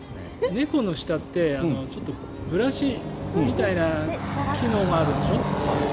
猫の舌ってちょっとブラシみたいな機能があるんでしょ。